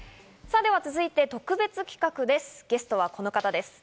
では、続いて特別企画です。